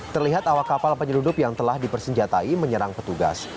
terlihat awak kapal penyeludup yang telah dipersenjatai menyerang petugas